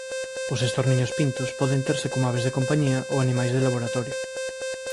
Os estorniños pintos poden terse como aves de compañía ou animais de laboratorio.